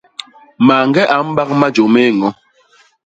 Mañge a mbak majô mé ñño.